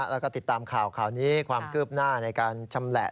แล้วก็ติดตามข่าวข่าวนี้ความคืบหน้าในการชำแหละ